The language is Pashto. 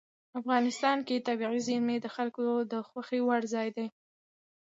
افغانستان کې طبیعي زیرمې د خلکو د خوښې وړ ځای دی.